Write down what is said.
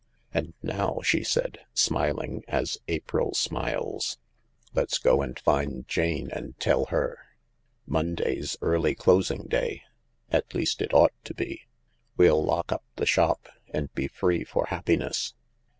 " And now," she said, smiling as April smiles, "let's go and find Jane, and tell her. Monday's early closing day — at least it ought to be. We'll lock up the shop and be free for happiness."